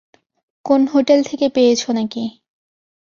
কোন হোটেল থেকে পেয়েছ নাকি?